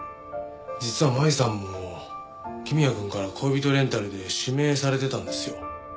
実は舞さんも公也くんから恋人レンタルで指名されてたんですよ。